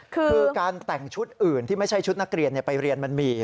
คือการแต่งชุดอื่นที่ไม่ใช่ชุดนักเรียนไปเรียนมันมี